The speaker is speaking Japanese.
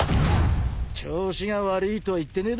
調子が悪いとは言ってねえだろ。